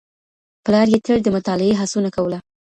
پلار یې تل د مطالعې هڅونه کوله.